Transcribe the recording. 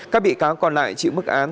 các bị cáo còn lại chịu mức án